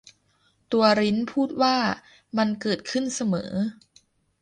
ตัวริ้นพูดว่า มันเกิดขึ้นเสมอ